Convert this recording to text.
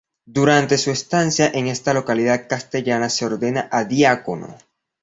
Durante su estancia en esta localidad castellana se ordena diácono.